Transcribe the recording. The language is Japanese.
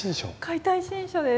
「解体新書」です。